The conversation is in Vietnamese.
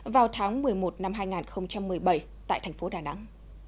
vào tháng một mươi một năm hai nghìn một mươi bảy tại thành phố đà nẵng